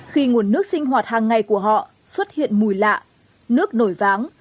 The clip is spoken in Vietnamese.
khi nguồn nước sinh hoạt hàng ngày của họ xuất hiện mùi lạ nước nổi váng